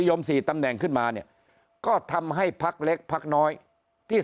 ยมสี่ตำแหน่งขึ้นมาเนี่ยก็ทำให้พักเล็กพักน้อยที่